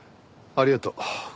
ありがとう。